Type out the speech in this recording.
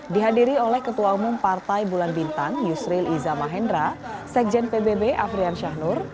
dihadiri oleh ketua umum partai bulan bintang yusril iza mahendra sekjen pbb afrian syahnur